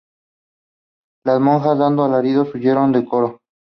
las monjas, dando alaridos, huyeron del coro.